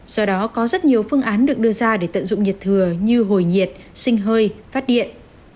do đó có rất nhiều phương án được đưa ra để tận dụng nhiệt thừa như hồi nhiệt sinh hơi phát điện